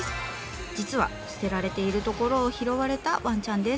実は捨てられているところを拾われたわんちゃんです。